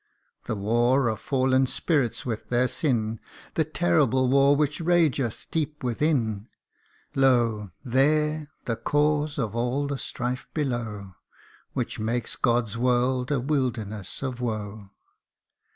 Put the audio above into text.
The war of fallen spirits with their sin, The terrible war which rageth deep within Lo ! there the cause of all the strife below Which makes God's world a wilderness of woe.